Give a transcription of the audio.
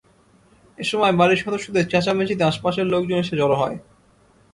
এ সময় বাড়ির সদস্যদের চেচাঁমেচিতে আশপাশের লোকজন এসে জড়ো হয়।